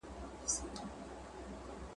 ډېرو نجونو خپلي زدهکړي بشپړي کړي دي.